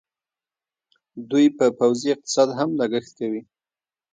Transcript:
دوی په پوځي اقتصاد هم لګښت کوي.